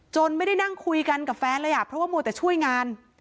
ไม่ได้นั่งคุยกันกับแฟนเลยอ่ะเพราะว่ามัวแต่ช่วยงาน